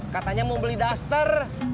katanya mau beli duster